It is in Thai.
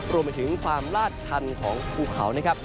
รวมไปถึงความลาดชันของภูเขานะครับ